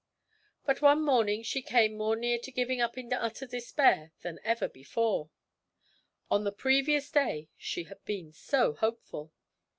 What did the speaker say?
But one morning she came more near to giving up in utter despair than ever before. Only the previous day she had been so hopeful!